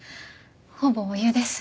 ほぼお湯です。